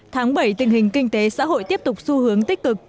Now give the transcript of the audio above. tháng bảy tình hình kinh tế xã hội tiếp tục xu hướng tích cực